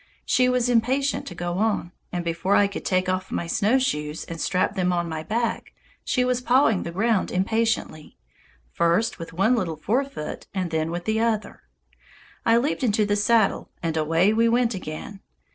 She was impatient to go on, and before I could take off my snowshoes and strap them on my back, she was pawing the ground impatiently, first with one little fore foot and then with the other. I leaped into the saddle and away we went again.